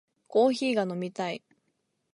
コーヒーが飲みたい